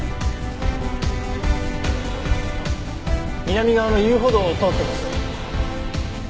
南側の遊歩道を通ってます。